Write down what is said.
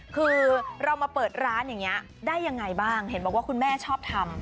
คือเรามาเปิดร้านอย่างนี้ได้ยังไงบ้างเห็นบอกว่าคุณแม่ชอบทำ